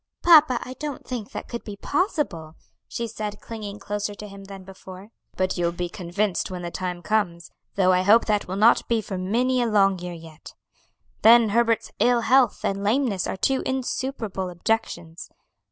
"Papa, I don't think that could be possible," she said, clinging closer to him than before. "But you'll be convinced when the time comes, though I hope that will not be for many a long year yet. Then Herbert's ill health and lameness are two insuperable objections.